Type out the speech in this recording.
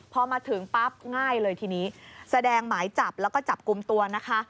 พอมาถึงปั๊บง่ายเลยทีนี้แสดงหมายจับแล้วก็จับกลุ่มตัวนะคะ